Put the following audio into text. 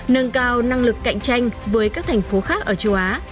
nâng cao năng lực cạnh tranh với các thành phố khác ở châu á